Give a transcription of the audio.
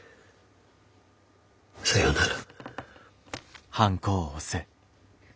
さようなら。